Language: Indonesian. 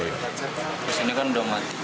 pesannya kan udah mati